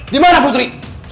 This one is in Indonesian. di mana putri